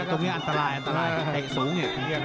ตรงนี้อันตรายแก้งสูงเนี่ย